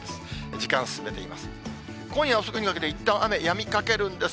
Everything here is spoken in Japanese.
時間進めてみます。